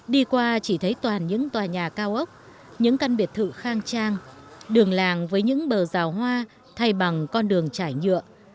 đi qua chỉ thấy toàn những tòa nhà cao ốc những căn biệt thự khang trang đường làng với những bờ rào hoa thay bằng con đường trải nhựa